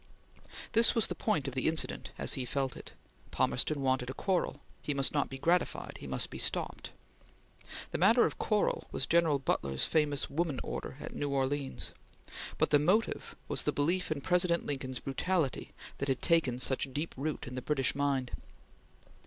This was the point of the incident as he felt it. Palmerston wanted a quarrel; he must not be gratified; he must be stopped. The matter of quarrel was General Butler's famous woman order at New Orleans, but the motive was the belief in President Lincoln's brutality that had taken such deep root in the British mind.